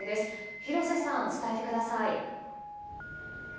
廣瀬さん、伝えてください。